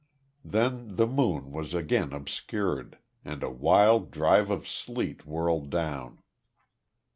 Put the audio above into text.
Then the moon was again obscured, and a wild drive of sleet whirled down.